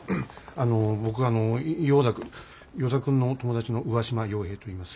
あの僕あのヨーダ君依田君の友達の上嶋陽平といいます。